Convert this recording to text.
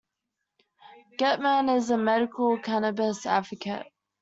Gettman is a medical cannabis advocate.